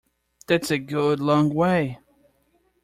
That’s a good long way.